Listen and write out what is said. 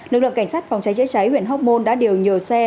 lực lượng cảnh sát phòng cháy chữa cháy huyện hóc môn đã điều nhiều xe